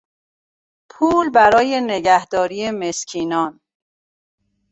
پول برای نگهداری مسکینان